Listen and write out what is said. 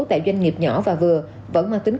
tại doanh nghiệp nhỏ và vừa vẫn mang tính